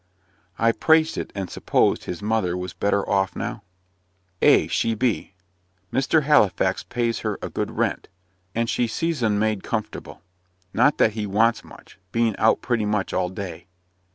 I praised it; and supposed his mother was better off now? "Ay, she be. Mr. Halifax pays her a good rent; and she sees 'un made comfortable. Not that he wants much, being out pretty much all day."